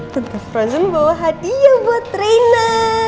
tante frozen bawa hadiah buat reina